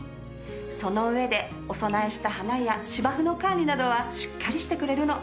その上でお供えした花や芝生の管理などはしっかりしてくれるの。